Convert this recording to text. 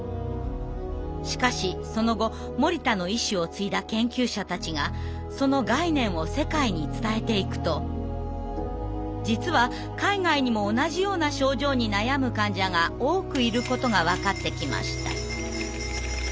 しかしその後森田の意志を継いだ研究者たちがその概念を世界に伝えていくと実は海外にも同じような症状に悩む患者が多くいることが分かってきました。